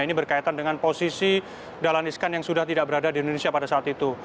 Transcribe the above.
ini berkaitan dengan posisi dahlan iskan yang sudah tidak berada di indonesia pada saat itu